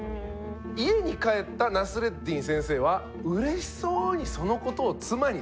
家に帰ったナスレッディン先生はうれしそうにそのことを妻に伝えました。